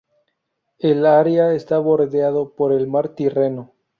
El área está bordeado por el mar Tirreno.